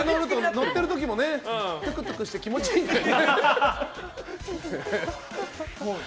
乗ってる時もトゥクトゥクして気持ちいいんだよね。